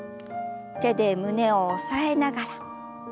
手で胸を押さえながら。